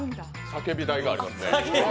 叫び台がありますね。